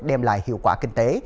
đem lại hiệu quả kinh tế